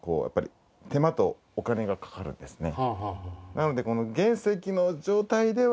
なので。